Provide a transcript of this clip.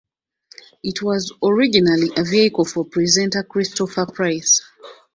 It was originally a vehicle for presenter Christopher Price.